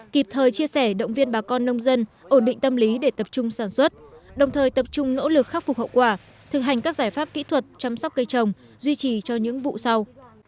kịp thời chia sẻ động viên bà con nông dân ổn định tâm lý để tập trung sản xuất đồng thời tập trung nỗ lực khắc phục hậu quả thực hành các giải pháp kỹ thuật chăm sóc cây trồng duy trì cho những vụ sau